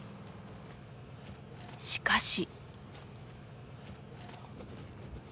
しかし。